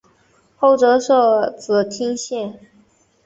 后周设莘亭县。